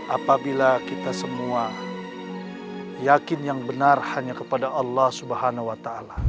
apabila kita semua yakin yang benar hanya kepada allah swt